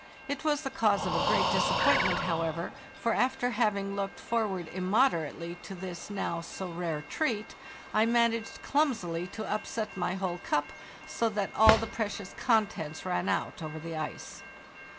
It was the cause of a great disappointment, however, for after having looked forward immoderately to this, now so rare, treat, 1 managed clumsily to upset my whole cup, so that all the precious contents ran out over the ice.